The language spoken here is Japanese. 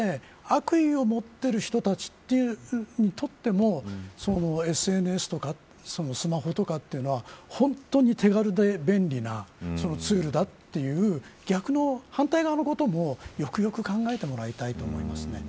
でも、一方で悪意を持っている人たちにとってもＳＮＳとかスマホとかというのは本当に手軽で便利なツールだという反対側のこともよくよく考えてもらいたいと思います。